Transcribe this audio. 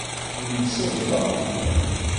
Nemsebḍa.